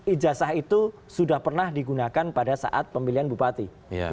ijazah itu sudah pernah digunakan pada saat pemilihan bupati